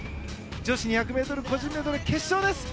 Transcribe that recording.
女子２００ｍ個人メドレー決勝です。